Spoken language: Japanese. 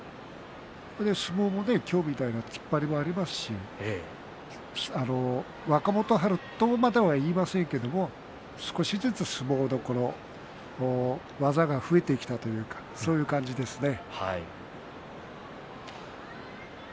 相撲も、今日みたいな突っ張りもありますし若元春とまでは言いませんけれど少しずつ相撲の技が増えてきたというかそういう感じですね。